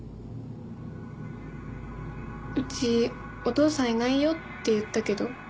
うちお父さんいないよって言ったけど。